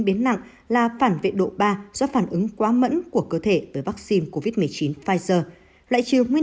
biến nặng là phản vệ độ ba do phản ứng quá mẫn của cơ thể với vaccine covid một mươi chín pfizer lại chiều nguyên